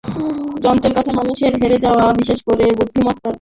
যন্ত্রের কাছে মানুষের হেরে যাওয়া, বিশেষ করে বুদ্ধিমত্তার পরীক্ষায়, এবারই প্রথম নয়।